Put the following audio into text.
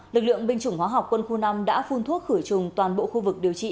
lực lượng binh chủng hóa học quân khu năm đã phun thuốc khử trùng toàn bộ khu vực điều trị